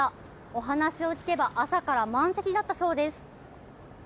お話を聞けば朝から満席だったそうです。